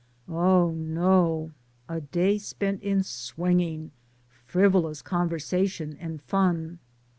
Oh, no. A day spent in swinging, frivolous conversation, and fun.